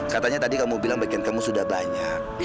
katanya tadi kamu bilang bagian kamu sudah banyak